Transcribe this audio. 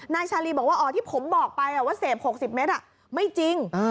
ชาลีบอกว่าอ๋อที่ผมบอกไปว่าเสพ๖๐เมตรไม่จริง